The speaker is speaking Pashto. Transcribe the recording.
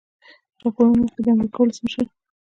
د راپورونو له مخې د امریکا ولسمشر